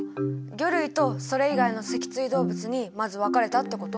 魚類とそれ以外の脊椎動物にまず分かれたってこと？